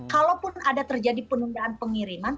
kalaupun ada terjadi penundaan pengiriman